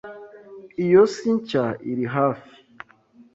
Iyo si nshya iri hafi.